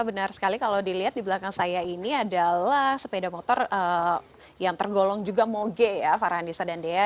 benar sekali kalau dilihat di belakang saya ini adalah sepeda motor yang tergolong juga moge ya farhanisa dan dea